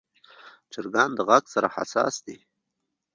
چرګان د غږ سره حساس دي.